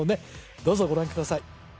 どうぞご覧ください